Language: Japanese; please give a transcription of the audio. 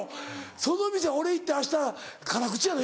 その店俺行って明日「辛口やな」